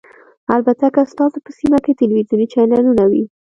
البته که ستاسو په سیمه کې تلویزیوني چینلونه وي